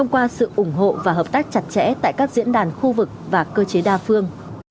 qua sự ủng hộ và hợp tác chặt chẽ tại các diễn đàn khu vực và cơ chế đa phương